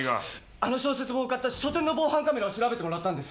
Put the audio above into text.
あの小説本を買った書店の防犯カメラを調べてもらったんです。